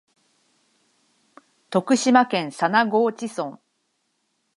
徳島県佐那河内村